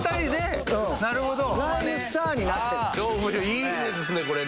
いいですねこれ。